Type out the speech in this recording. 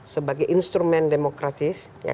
sebagai instrumen demokrasi